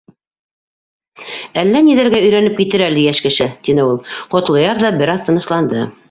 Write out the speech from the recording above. Әллә ниҙәргә өйрәнеп китер әле йәш кеше, — тине ул. Ҡотлояр ҙа бер аҙ тынысланды.